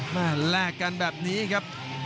แลกกันแบบนี้ครับ